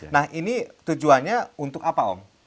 nah ini tujuannya untuk apa om